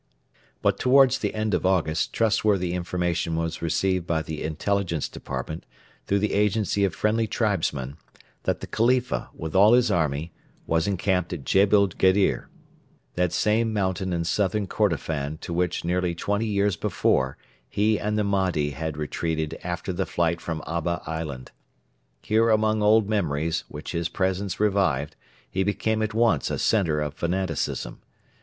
But towards the end of August trustworthy information was received by the Intelligence Department, through the agency of friendly tribesmen, that the Khalifa, with all his army, was encamped at Jebel Gedir that same mountain in Southern Kordofan to which nearly twenty years before he and the Mahdi had retreated after the flight from Abba Island. Here among old memories which his presence revived he became at once a centre of fanaticism.